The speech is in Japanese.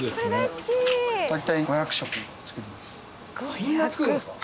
そんな作るんですか？